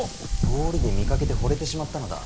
通りで見かけてほれてしまったのだ。